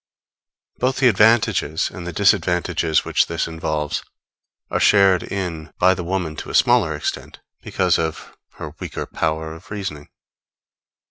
Both the advantages and the disadvantages which this involves, are shared in by the woman to a smaller extent because of her weaker power of reasoning.